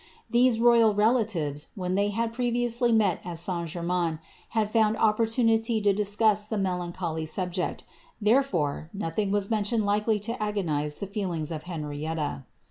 These royal relatives, when they had previoufxly met at St. Germains, had found opportunity to discuss the melancholy subject; therefore, nothing was mentioned likrly to agonize the feelings of Henrietta.